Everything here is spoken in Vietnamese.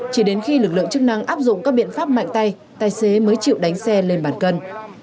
chỉ đến khi lực lượng chức năng áp dụng các biện pháp mạnh tay tài xế mới chịu đánh xe lên bàn cân